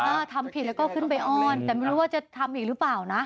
ทำผิดแล้วก็ขึ้นไปอ้อนแต่ไม่รู้ว่าจะทำอีกหรือเปล่านะ